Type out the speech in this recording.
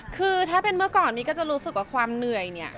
คือถ้าเป็นเมื่อก่อนนี้ก็จะรู้สึกว่าความเหนื่อยเนี่ย